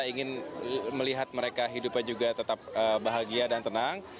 ingin melihat mereka hidupnya juga tetap bahagia dan tenang